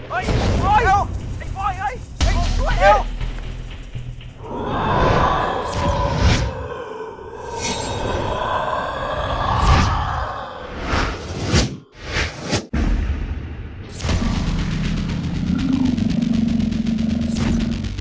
เฮ้ยโอ๊ยไอ้ปองเฮ้ย